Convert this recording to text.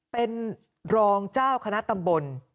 เป็นรองเจ้าคณะตำบล